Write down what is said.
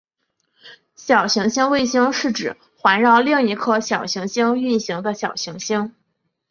小行星卫星是指环绕另一颗小行星运行的小行星。